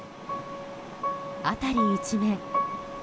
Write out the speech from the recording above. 辺り一面。